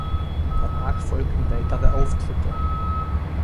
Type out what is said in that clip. Danach folgten weitere Auftritte.